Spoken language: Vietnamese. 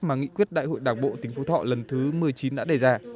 mà nghị quyết đại hội đảng bộ tỉnh phú thọ lần thứ một mươi chín đã đề ra